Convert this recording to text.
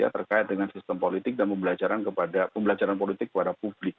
terkait dengan sistem politik dan pembelajaran politik kepada publik